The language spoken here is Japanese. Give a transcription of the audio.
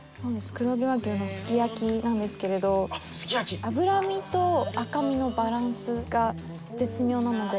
黒毛和牛のすき焼きなんですけれど脂身と赤身のバランスが絶妙なので。